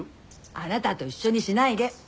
あなたと一緒にしないで。